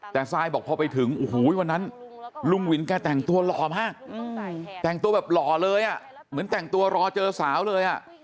แต่ซายบอกพอไปถึงโอ้โหวันนั้นลุงวินแกแต่งตัวหล่อมากแต่งตัวแบบหล่อเลยอ่ะเหมือนแต่งตัวรอเจอสาวเลยอ่ะ